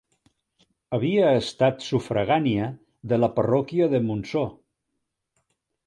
Havia estat sufragània de la parròquia de Montsor.